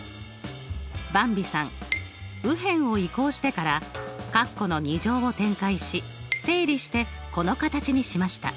ばんびさん右辺を移項してからカッコの２乗を展開し整理してこの形にしました。